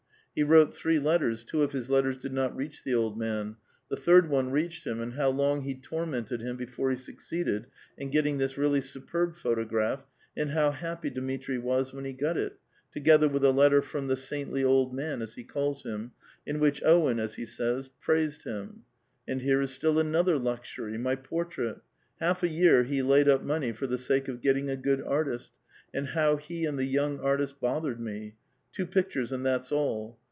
He wrote three letters, two of bis letters did not reach the old mau ; the third one reached him, and how long he tormented him before he suc ceeded in getting this realh* superb photograph, and how ^^PPy Dmitri was when he got it, together with a letter from tlie *• Saintly old man,' as he calls him, in which Owtn, as lie saj's, praised him. And here is still anotlier luxury : my portra.it ; half a year he laid up money for the sake of get ting a. good artist, and how he and the young artist bothered we. Two pictures and that's all.